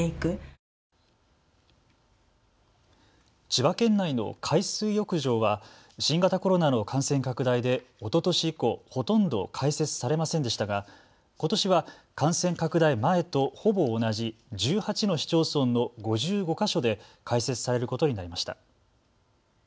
千葉県内の海水浴場は新型コロナの感染拡大でおととし以降、ほとんど開設されませんでしたが、ことしは感染拡大前とほぼ同じ１８の市町村の５５か所で開設されることになりました。